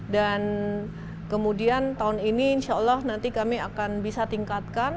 dan kemudian tahun ini insya allah nanti kami akan bisa tingkatkan